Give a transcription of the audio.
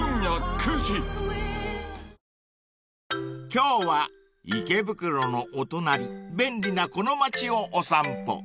［今日は池袋のお隣便利なこの街をお散歩］